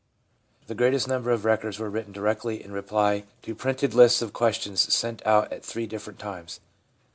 The greatest number of records were written directly in reply to printed lists of questions sent out at three different times.